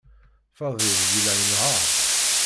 Fadil yella inehheṛ.